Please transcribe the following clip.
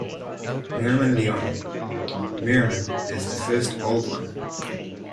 Merriman Lyon: Merriman is the first Old One.